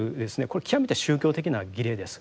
これは極めて宗教的な儀礼です。